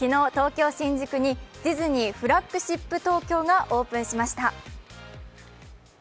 昨日、東京・新宿にディズニーフラッグショップ東京がオープンしました。